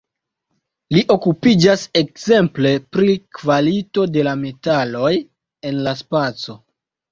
Li okupiĝas ekzemple pri kvalito de la metaloj en la spaco.